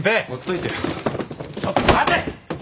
ちょっと待て！